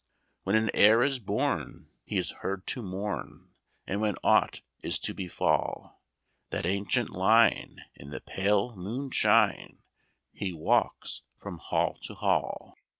"When an heir is born, he is heard to mourn, And when aught is to befall That ancient line, in the pale moonshine He walks from hall to hall.